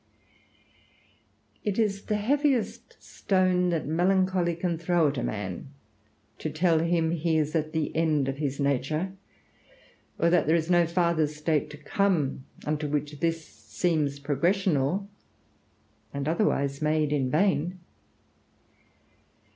It is the heaviest stone that melancholy can throw at a man, to tell him he is at the end of his nature; or that there is no farther state to come, unto which this seems progressional, and otherwise made in vain.